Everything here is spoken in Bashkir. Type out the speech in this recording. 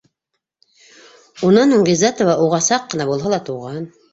Унан һуң Ғиззәтова уға саҡ ҡына булһа ла туған.